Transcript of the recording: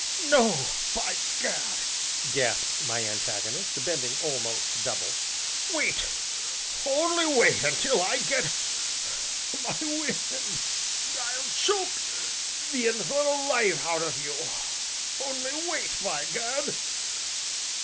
'" "No, by gad!" gasped my antagonist, bending almost double, "wait only wait until I get my wind I'll choke the infernal life out of you only wait, by gad!"